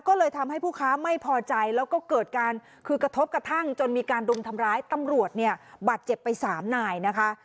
ก็เลยทำให้ผู้ค้าไม่พอใจแล้วก็เกิดการคือกระทบกระทั่งจนมีการรุมทำร้ายตำรวจเนี่ยบาดเจ็บไปสามนายนะคะ